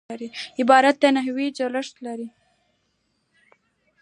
عبارت نحوي جوړښت لري.